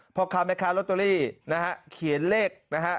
พคโรตเตอรี่นะฮะเขียนเลขนะฮะ